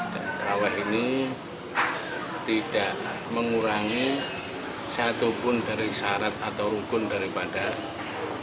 raweh ini tidak mengurangi satupun dari syarat atau rukun daripada allah